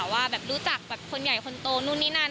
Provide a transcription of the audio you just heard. ว่าแบบรู้จักแบบคนใหญ่คนโตนู่นนี่นั่น